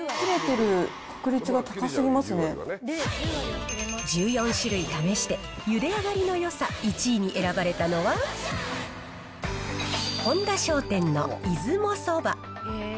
えー、１４種類試して、ゆで上がりのよさ１位に選ばれたのは、本田商店の出雲そば。